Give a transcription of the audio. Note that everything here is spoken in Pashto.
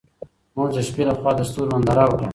موږ د شپې لخوا د ستورو ننداره وکړه.